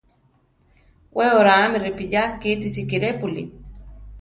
We oráame ripiya kíti sikirépuli.